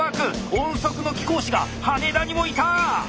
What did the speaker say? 音速の貴公子が羽田にもいた！